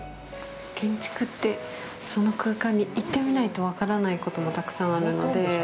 建築って、その空間に行ってみないと分からないこともたくさんあるので。